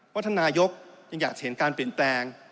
ท่านนายกยังอยากจะเห็นการเปลี่ยนแปลง